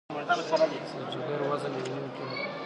د جګر وزن یو نیم کیلو دی.